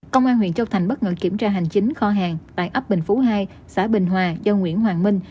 công an huyện châu thành bất ngờ kiểm tra hành chính kho hàng tại ấp bình phú hai xã bình hòa do nguyễn hoàng minh